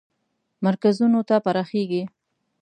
مرکزونو ته پراخیږي.